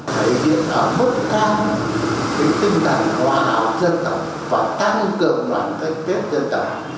thể hiện ở mức cao tinh thần hòa hậu dân tộc và tăng cường đoàn kết thống dân tộc